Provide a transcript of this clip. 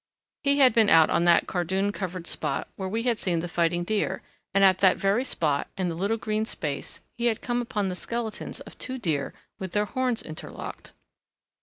He had been out on that cardoon covered spot where we had seen the fighting deer, and at that very spot in the little green space he had come upon the skeletons of two deer with their horns interlocked.